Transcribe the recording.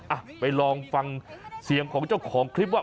อ่ะไปลองฟังเสียงของเจ้าของคลิปว่า